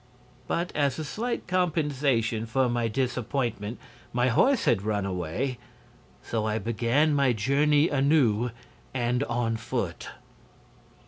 But, as a slight compensation for my disappointment, my horse had run away; so I began my journey anew and on foot.